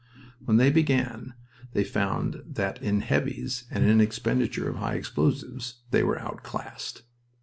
When they began they found that in "heavies" and in expenditure of high explosives they were outclassed.